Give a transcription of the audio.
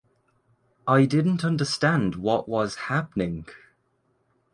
I didn’t understand what was happening.